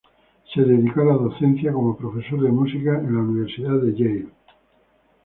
Se dedicó a la docencia como profesor de música en la Universidad de Yale.